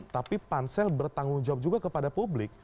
tapi pansel bertanggung jawab juga kepada publik